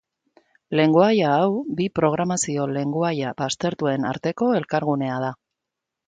Lengoaia hau bi programazio lengoaia baztertuen arteko elkargunea da.